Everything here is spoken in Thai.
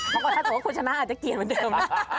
เพราะว่าถ้าเกิดว่าคุณชนะอาจจะเกลียดเหมือนเดิม